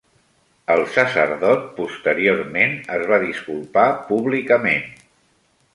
El sacerdot posteriorment es va disculpar públicament.